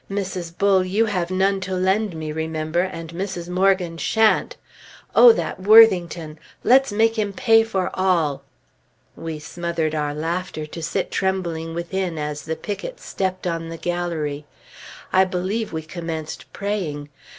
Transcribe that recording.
Mrs. Bull, you have none to lend me, remember, and Mrs. Morgan shan't! Oh, that Worthington! Let's make him pay for all!" We smothered our laughter to sit trembling within as the pickets stepped on the gallery. I believe we commenced praying.